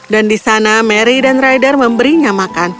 dan di sana mary dan ryder memberinya makan